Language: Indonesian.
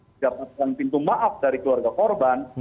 mendapatkan pintu maaf dari keluarga korban